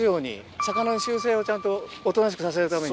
魚の習性をちゃんとおとなしくさせるために。